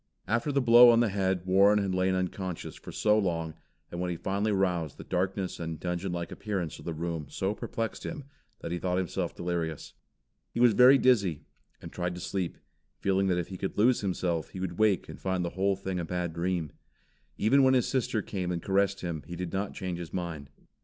After the blow on the head Warren had lain unconscious for so long, and when he finally roused the darkness and dungeon like appearance of the room so perplexed him, that he thought himself delirious. He was very dizzy, and tried to sleep, feeling that if he could lose himself, he would wake and find the whole thing a bad dream. Even when his sister came and caressed him, he did not change his mind.